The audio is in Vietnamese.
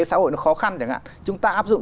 xã hội nó khó khăn chẳng hạn chúng ta áp dụng